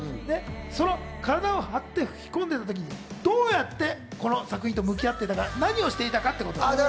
その体を張って吹き込んでいるときにどうやってこの作品と向き合っていたか、何をしていたかってこと。